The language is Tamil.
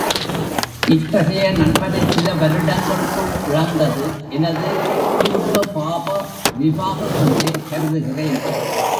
இத்தகைய நண்பனைச் சில வருடங்களுக்குள் இழந்தது எனது பூர்வபாபவி பாகம் என்றே கருதுகிறேன்.